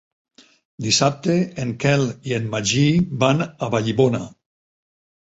Dissabte en Quel i en Magí van a Vallibona.